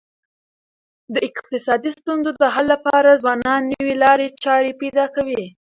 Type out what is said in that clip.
د اقتصادي ستونزو د حل لپاره ځوانان نوي لاري چاري پیدا کوي.